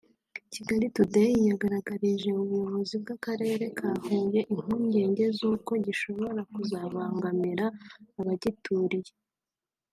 kigalitoday yari yagaragarije ubuyobozi bw’Akarere ka Huye impungenge z’uko gishobora kuzabangamira abagituriye